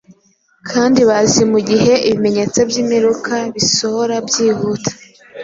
kandi bazi mu gihe ibimenyetso by’imperuka bisohora byihuta